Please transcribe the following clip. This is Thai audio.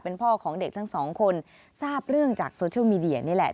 เป็นพ่อของเด็กทั้งสองคนทราบเรื่องจากโซเชียลมีเดียนี่แหละ